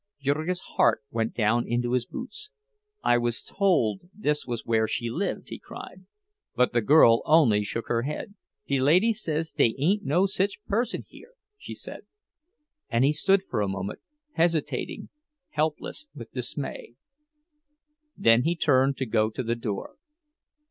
Jurgis's heart went down into his boots. "I was told this was where she lived!" he cried. But the girl only shook her head. "De lady says dey ain't no sich person here," she said. And he stood for a moment, hesitating, helpless with dismay. Then he turned to go to the door.